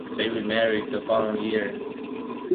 They remarried the following year.